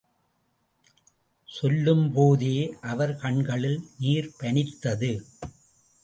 சொல்லும்போதே அவர் கண்களில் நீர் பனித்தது.